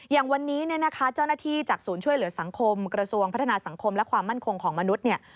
อย่างวันนี้เนี่ยนะคะเจ้าหน้าที่จากศูนย์ช่วยเหลือสังคมกระทรวงพัฒนาสังคมและความมั่นคงของมนุษย์เนี่ย